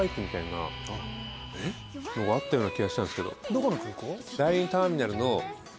どこの空港？